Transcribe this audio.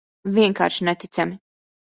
Vienkārši neticami.